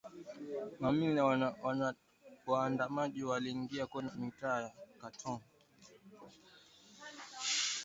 Mamia ya waandamanaji waliingia kwenye mitaa ya Khartoum